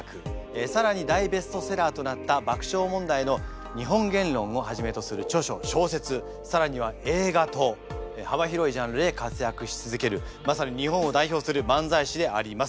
更に大ベストセラーとなった「爆笑問題の日本原論」をはじめとする著書小説更には映画と幅広いジャンルで活躍し続けるまさに日本を代表する漫才師であります。